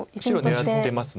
狙ってます。